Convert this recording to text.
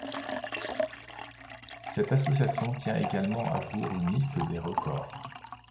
Cette association tient également à jour une liste des records.